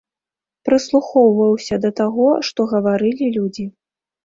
Прыслухоўваўся да таго, што гаварылі людзі.